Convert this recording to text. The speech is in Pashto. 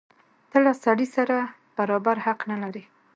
ته له سړي سره برابر حق نه لرې.